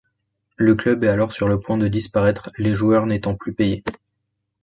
Le club est alors sur le point de disparaître, les joueurs n'étant plus payés.